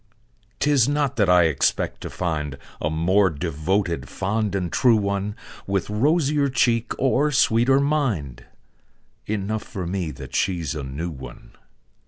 'Tis not that I expect to find A more devoted, fond and true one, With rosier cheek or sweeter mind Enough for me that she's a new one.